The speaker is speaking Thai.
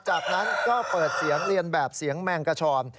จากนั้นก็เปิดเสียงเรียนแบบเสียงแมงกระชอน